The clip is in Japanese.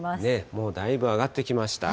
もうだいぶ上がってきました。